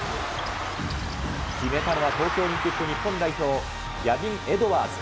決めたのは東京オリンピック日本代表、ギャビン・エドワーズ。